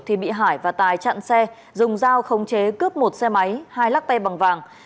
thì bị hải và tài chặn xe dùng dao khống chế cướp một xe máy hai lắc tay bằng vàng